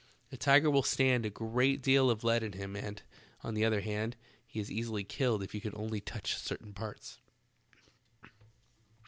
A tiger will stand a great deal of lead in him, and, on the other hand, he is easily killed if you can only touch certain parts.